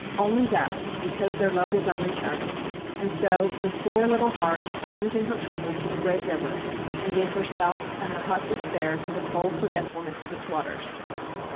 Only that, because their love was unreturned; and so the sore little heart turned in her trouble to the great river, and gave herself and her hot despair to the cold forgetfulness of its waters.